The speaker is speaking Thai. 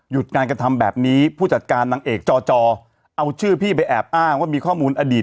การกระทำแบบนี้ผู้จัดการนางเอกจอจอเอาชื่อพี่ไปแอบอ้างว่ามีข้อมูลอดีต